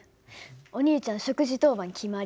お兄ちゃん食事当番決まり。